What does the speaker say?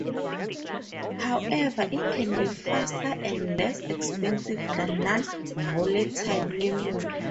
However it can be faster and less expensive than non-volatile memory.